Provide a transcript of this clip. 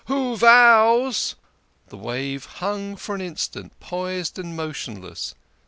" Who vows " The wave hung an instant, poised and motionless.